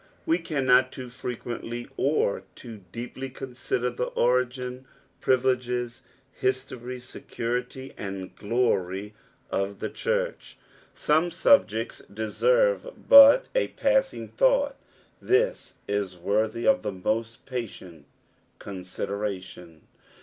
We cannot too frequently or too deeply consider the origin, privilef^s, history, security, and glory of the church. Some subjects deserve but a passing thought; this is worthy of the most patient consideration.